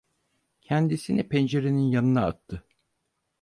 Kendisini pencerenin yanına attı.